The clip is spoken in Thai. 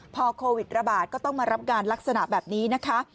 พอโควิดระบาดก็ต้องมารับงานลักษณะแบบนี้นะคะ